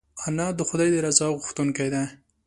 انا د خدای د رضا غوښتونکې ده